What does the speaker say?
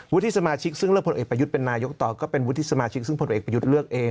ที่สมาชิกซึ่งเลือกพลเอกประยุทธ์เป็นนายกต่อก็เป็นวุฒิสมาชิกซึ่งผลเอกประยุทธ์เลือกเอง